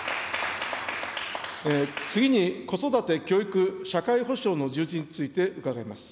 次に、子育て、教育、社会保障の充実について伺います。